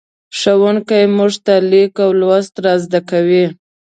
ښوونکی موږ ته لیک او لوست را زدهکوي.